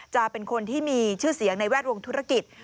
จะเป็นคนที่มีชื่อเสียงในแวดวงธุรกิจ